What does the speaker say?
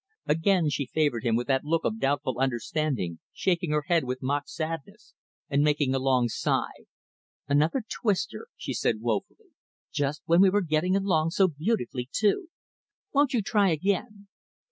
Again, she favored him with that look of doubtful understanding; shaking her head with mock sadness, and making a long sigh. "Another twister" she said woefully "just when we were getting along so beautifully, too. Won't you try again?"